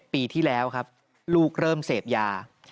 ปีที่แล้วครับลูกเริ่มเสพยา